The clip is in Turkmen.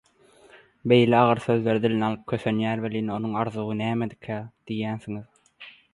„Beýle agyr sözleri diline alyp, kösenýär welin, onuň arzuwy nämedikä?“ diýýänsiňiz.